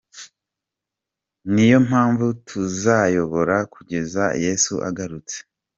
Niyo mpamvu tuzayobora kugeza Yesu agarutse.